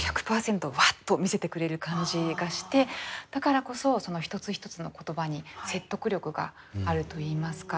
ワッと見せてくれる感じがしてだからこそその一つ一つの言葉に説得力があるといいますか。